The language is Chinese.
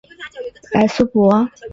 莱苏博。